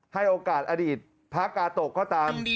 ให้โอกาสอดีตพระกาโตะก็ตาม